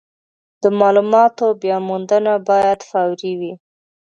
د مالوماتو بیاموندنه باید فوري وي.